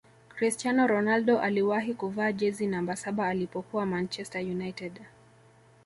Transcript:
cristiano ronaldo aliwahi kuvaa jezi namba saba alipokuwa manchezter united